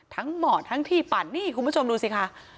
เหมาะทั้งที่ปั่นนี่คุณผู้ชมดูสิค่ะ